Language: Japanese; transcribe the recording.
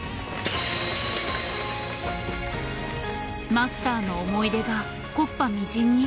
マスターの思い出が木っ端みじんに。